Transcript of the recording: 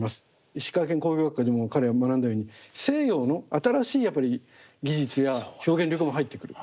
石川県工業学校でも彼が学んだように西洋の新しいやっぱり技術や表現力も入ってくる。